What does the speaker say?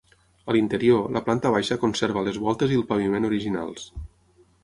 A l'interior, la planta baixa conserva les voltes i el paviment originals.